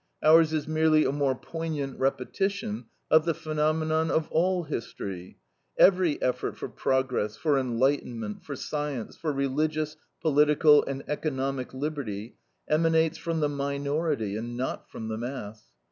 Ours is merely a more poignant repetition of the phenomenon of all history: every effort for progress, for enlightenment, for science, for religious, political, and economic liberty, emanates from the minority, and not from the mass.